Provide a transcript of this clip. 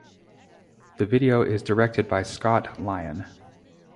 The video is directed by Scott Lyon.